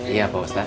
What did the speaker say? iya pak ustadz